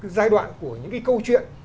giai đoạn của những cái câu chuyện